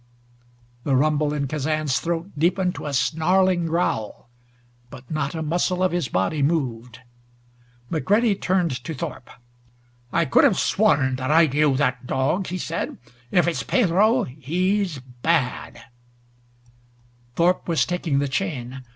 The rumble in Kazan's throat deepened to a snarling growl, but not a muscle of his body moved. McCready turned to Thorpe. "I could have sworn that I knew that dog," he said. "If it's Pedro, he's bad!" Thorpe was taking the chain.